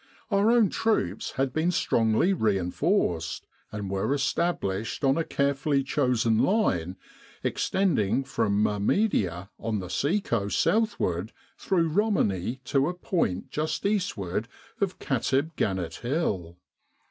Our own troops had been strongly reinforced, and were established on a care fully chosen line extending from Mahemdia on the sea coast southward through Romani to a point just eastward of Katib Gannit Hill.